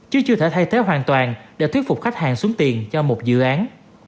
chứ chưa thể thay thế hoàn toàn để thuyết phục khách hàng xuống tiền cho một dự án